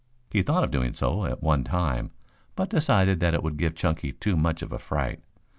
He thought of doing so, at one time, but decided that it would give Chunky too much of a fright.